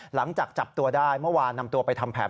หลังจากจับตัวได้เมื่อวานนำตัวไปทำแผน